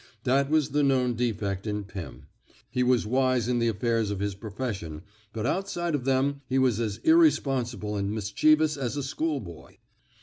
That was the known defect in Pim ; he was wise in the affairs of his profession, but outside of them he was as irresponsible and mischievous as a schoolboy.